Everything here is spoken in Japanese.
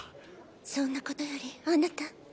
そんな事よりあなた。